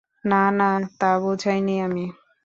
না, না, তা বুঝাইনি আমি।